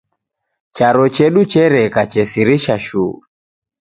Charo chedu chereka chesirisha shuu.